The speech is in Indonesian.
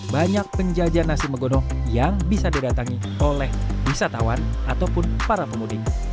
banyak penjajah nasi megono yang bisa didatangi oleh wisatawan ataupun para pemudik